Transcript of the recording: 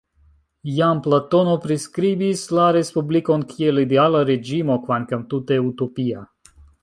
Jam Platono priskribis la respublikon kiel ideala reĝimo, kvankam tute utopia.